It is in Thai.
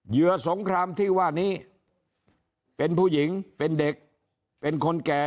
เหยืสงครามที่ว่านี้เป็นผู้หญิงเป็นเด็กเป็นคนแก่